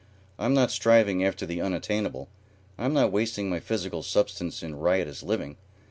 I'm not striving after the unattainable. I'm not wasting my physical substance in riotous living.